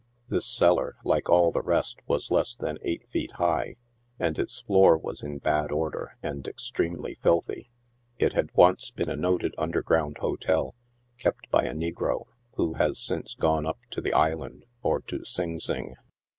This cellar, like all the rest, was less than eight feet high, and its floor was in bad order and extremely filthy. It had once been a noted underground hotel, kept by a negro, who has since gone up to the Island or to Sing Sing.